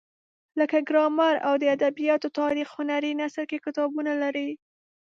لکه ګرامر او د ادبیاتو تاریخ هنري نثر کې کتابونه لري.